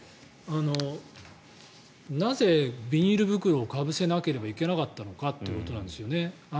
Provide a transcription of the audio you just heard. なぜビニール袋をかぶせなければいけなかったのかということなんですよね。